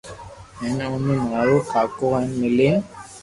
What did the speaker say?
ھين اومي مارو ڪاڪو ھين ملين